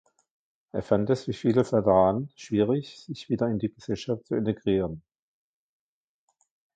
Er fand es wie viele Veteranen schwierig, sich wieder in die Gesellschaft zu integrieren.